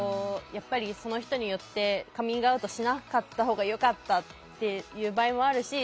その人によってカミングアウトしなかった方がよかったっていう場合もあるし。